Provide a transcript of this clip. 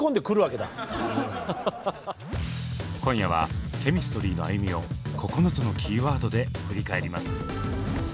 今夜はＣＨＥＭＩＳＴＲＹの歩みを９つのキーワードで振り返ります。